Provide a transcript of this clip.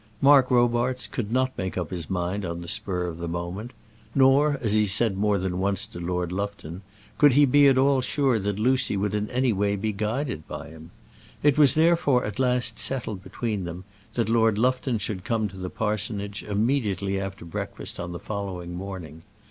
Mark Robarts could not make up his mind on the spur of the moment; nor, as he said more than once to Lord Lufton, could he be at all sure that Lucy would in any way be guided by him. It was, therefore, at last settled between them that Lord Lufton should come to the parsonage immediately after breakfast on the following morning.